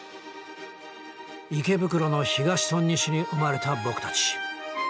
池袋の東と西に生まれた僕たち。